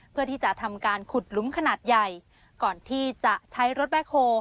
เพื่อที่จะทำการขุดหลุมขนาดใหญ่ก่อนที่จะใช้รถแบ็คโฮ